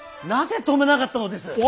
なぜ止めなかったのです！